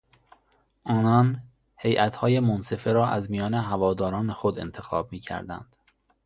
آنان هیاتهای منصفه را از میان هواداران خود انتخاب میکردند.